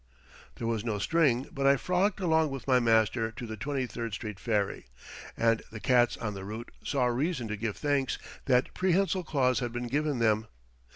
There was no string, but I frolicked along with my master to the Twenty third street ferry. And the cats on the route saw reason to give thanks that prehensile claws had been given them.